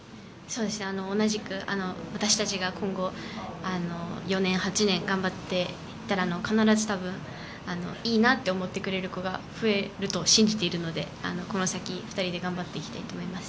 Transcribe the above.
私たちが今後４年、８年頑張っていったら必ずいいなと思ってくれる子が増えると信じているのでこの先２人で頑張っていきたいと思います。